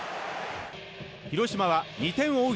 広島は２点を追う